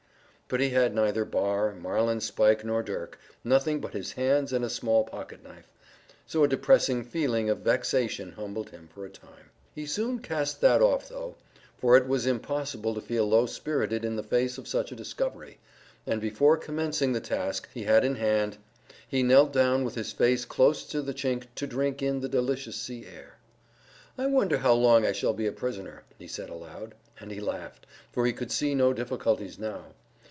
But he had neither bar, marlinspike, nor dirk, nothing but his hands and a small pocket knife, so a depressing feeling of vexation humbled him for a time. He soon cast that off though, for it was impossible to feel low spirited in the face of such a discovery, and before commencing the task he had in hand he knelt down with his face close to the chink to drink in the delicious sea air. "I wonder how long I shall be a prisoner," he said aloud; and he laughed, for he could see no difficulties now.